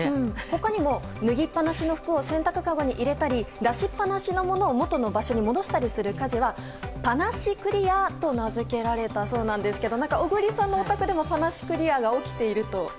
他にも脱ぎっぱなしの服を洗濯かごに入れたり出しっぱなしのものをもとに戻したりする家事はぱなしクリアーと名付けられたそうなんですけど小栗さんのお宅でもぱなしクリアーが起きていると。